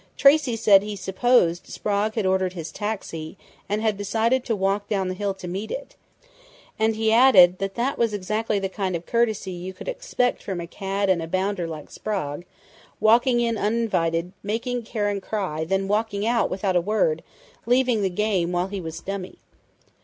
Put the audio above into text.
"Tracey said he supposed Sprague had ordered his taxi and had decided to walk down the hill to meet it, and he added that that was exactly the kind of courtesy you could expect from a cad and a bounder like Sprague walking in uninvited, making Karen cry, then walking out, without a word, leaving the game while he was dummy.